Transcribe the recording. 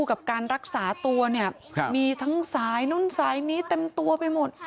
กับการรักษาตัวเนี่ยมีทั้งสายนู้นสายนี้เต็มตัวไปหมด